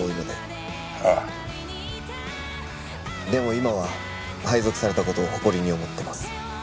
でも今は配属された事を誇りに思ってます。